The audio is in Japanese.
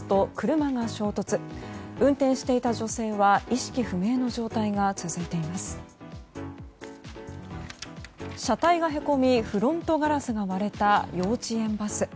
車体がへこみ、フロントガラスが割れた幼稚園バス。